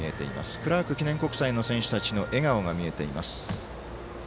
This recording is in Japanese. クラーク記念国際の選手たちの笑顔が見えています。